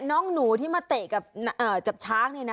น้องหนูที่มาเตะกับจับช้างนี่นะ